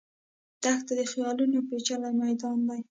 دښته د خیالونو پېچلی میدان دی.